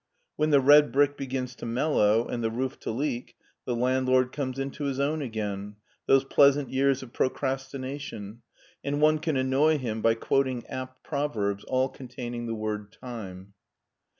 When the red brick begins to mellow and the roof to leak, the landlord comes into his own again — ^those pleasant years of procrastination — ^and one can annoy him by quoting apt proverbs all containing the word " time."